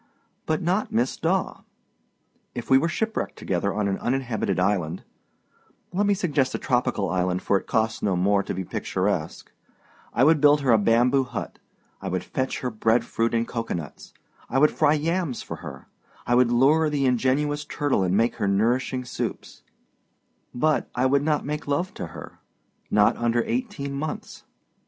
But not Miss Daw. If we were shipwrecked together on an uninhabited island let me suggest a tropical island, for it costs no more to be picturesque I would build her a bamboo hut, I would fetch her bread fruit and cocoanuts, I would fry yams for her, I would lure the ingenuous turtle and make her nourishing soups, but I wouldnât make love to her not under eighteen months.